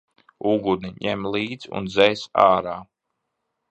Uguni ņem līdz un dzēs ārā!